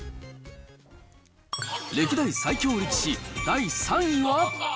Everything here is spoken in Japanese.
歴代最強力士第３位は。